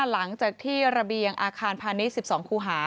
หลังจากที่ระเบียงอาคารพาณิชย์๑๒ครูหา